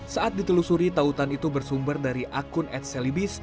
saat ditelusuri tautan itu bersumber dari akun adselibis